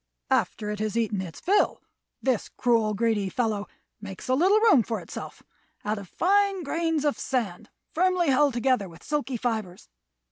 "After it has eaten its fill, this cruel, greedy fellow makes a little room for itself of fine grains of sand firmly held together with silky fibres.